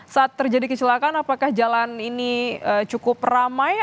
saat terjadi kecelakaan apakah jalan ini cukup ramai